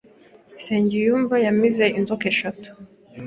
NSENGIYUMVA yamize inzoka eshatu